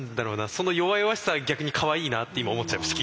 その弱々しさが逆にかわいいなって今思っちゃいました